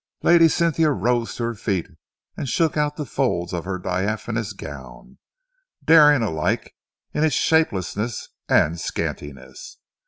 Lady Cynthia rose to her feet and shook out the folds of her diaphanous gown, daring alike in its shapelessness and scantiness.